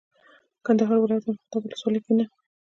کندهار ولایت ارغنداب ولسوالۍ کې نن